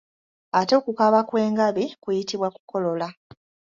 Ate okukaaba kw'engabi kuyitibwa kukolola.